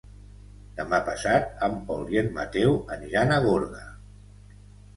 Demà passat en Pol i en Mateu aniran a Gorga.